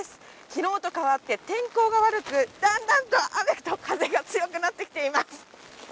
昨日と変わって天候が悪く、だんだんと雨と風が強くなってきています。